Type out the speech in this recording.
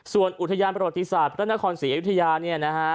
ส่วนอุทยานประวัติศาสตร์พระนครศรีอยุธยาเนี่ยนะฮะ